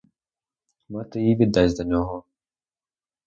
Мати її віддасть за нього.